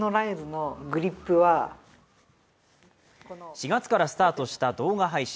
４月からスタートした動画配信。